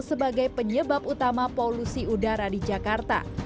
sebagai penyebab utama polusi udara di jakarta